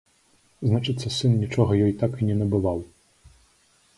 Значыцца, сын нічога ёй так і не набываў.